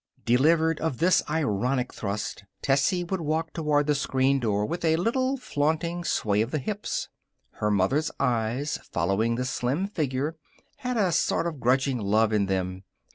Delivered of this ironic thrust, Tessie would walk toward the screen door with a little flaunting sway of the hips. Her mother's eyes, following the slim figure, had a sort of grudging love in them.